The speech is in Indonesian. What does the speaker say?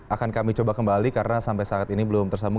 akan kami coba kembali karena sampai saat ini belum tersambung